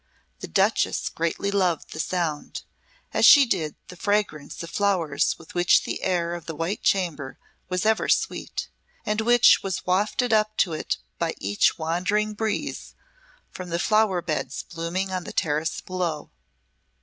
The Duchess greatly loved the sound, as she did the fragrance of flowers with which the air of the White Chamber was ever sweet, and which was wafted up to it by each wandering breeze from the flower beds blooming on the terrace below.